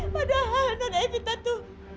padahal non evita tuh